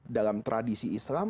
dalam tradisi islam